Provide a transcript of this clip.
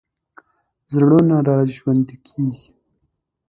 زړونه راژوندي کېږي.